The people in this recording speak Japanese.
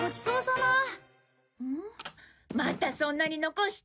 またそんなに残して。